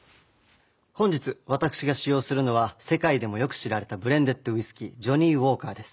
本日私が使用するのは世界でもよく知られたブレンデッドウイスキージョニーウォーカーです。